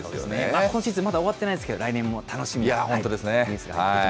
まだ今シーズン終わってないですけれども、来年も楽しみですね。